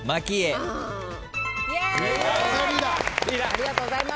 ありがとうございます。